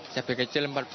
cabai kecil rp empat puluh